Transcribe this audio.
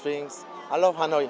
tôi thích hà nội